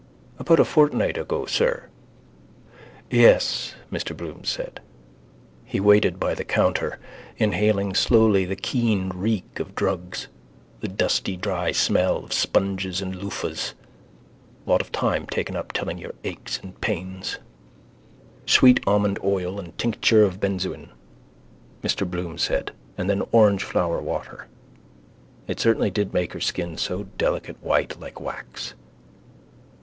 —About a fortnight ago, sir? —Yes, Mr Bloom said. He waited by the counter, inhaling slowly the keen reek of drugs, the dusty dry smell of sponges and loofahs. Lot of time taken up telling your aches and pains. —Sweet almond oil and tincture of benzoin, Mr Bloom said, and then orangeflower water... It certainly did make her skin so delicate white like wax.